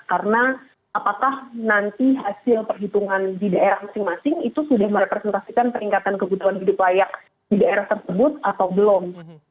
karena apakah nanti hasil perhitungan di daerah masing masing itu sudah merepresentasikan peringkatan kebutuhan hidup layak di daerah tersebut atau belum